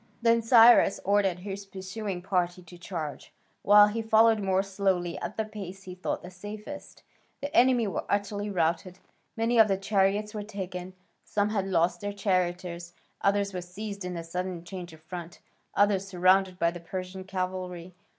Then Cyrus ordered his pursuing party to charge, while he followed more slowly at the pace he thought the safest. The enemy were utterly routed: many of the chariots were taken, some had lost their charioteers, others were seized in the sudden change of front, others surrounded by the Persian cavalry.